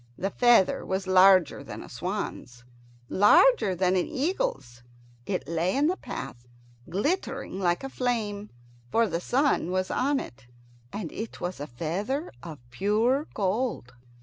The feather was larger than a swan's, larger than an eagle's. It lay in the path, glittering like a flame; for the sun was on it, and it was a feather of pure gold.